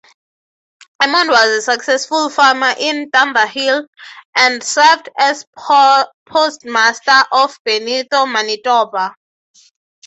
Emmond was a successful farmer in Thunderhill, and served as postmaster of Benito, Manitoba.